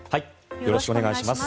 よろしくお願いします。